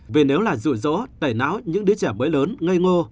vì nếu là rụi rỗ tẩy não những đứa trẻ mới lớn ngây ngô